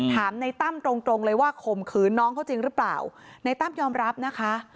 ถามในตั้มตรงตรงเลยว่าข่มขืนน้องเขาจริงหรือเปล่าในตั้มยอมรับนะคะ